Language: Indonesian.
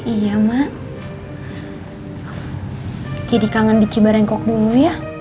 iya mak jadi kangen di cibarengkok dulu ya